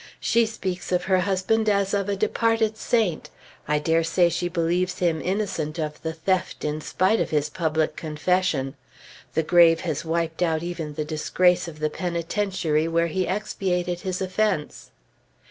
She speaks of her husband as of a departed saint. I dare say she believes him innocent of the theft in spite of his public confession. The grave has wiped out even the disgrace of the penitentiary where he expiated his offense....